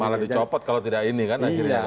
malah dicopot kalau tidak ini kan akhirnya